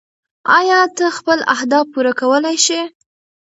ایا ته خپل اهداف پوره کولی شې؟